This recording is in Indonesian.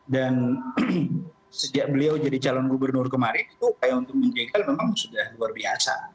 dan sejak beliau jadi calon gubernur kemarin itu upaya untuk menjegal memang sudah luar biasa